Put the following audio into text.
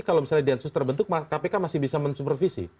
kalau misalnya densus terbentuk kpk masih bisa mensupervisi